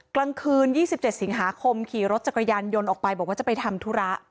กลางคืน๒๗สิงหาคมขี่รถจักรยานยนต์ออกไปบอกว่าจะไปทำธุระ